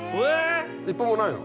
１本もないの。